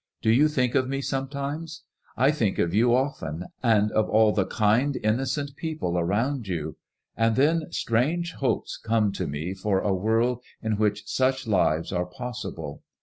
Do you think of me sometimes ? I think of you often, and of all the kind innocent people around you ; and then strange hopes come to me for a world in which such h'ves are possible.